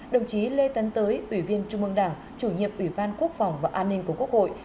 đồng chí lê tấn tới ủy viên trung mương đảng chủ nhiệm ủy ban quốc phòng và an ninh của quốc hội